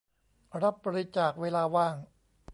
รับบริจาค "เวลาว่าง"